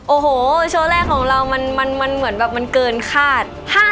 โอ้โหโชว์แรกของเรามันเหมือนแบบมันเกินคาด